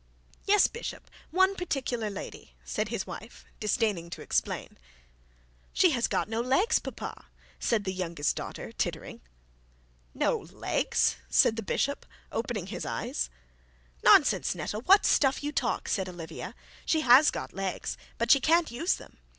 'Yes, bishop, one particular lady,' said his wife, disdaining to explain. 'She has got no legs, papa,' said the youngest daughter, tittering. 'No legs!' said the bishop, opening his eyes. 'Nonsense, Netta, what stuff you talk,' said Olivia. 'She has got legs, but she can't use them.